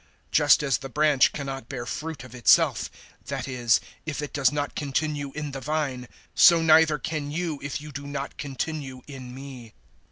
Just as the branch cannot bear fruit of itself that is, if it does not continue in the vine so neither can you if you do not continue in me.